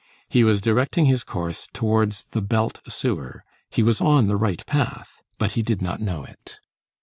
He was directing his course towards the belt sewer; he was on the right path. But he did not know it.